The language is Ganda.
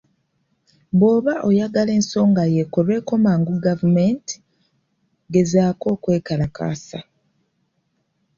Bw'oba oyagala ensongayo ekolweko mangu gavumenti, gezaako okwekalakaasa.